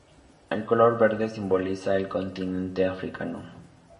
El color verde simboliza el continente africano.